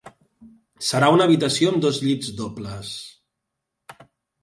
Serà una habitació amb dos llits dobles.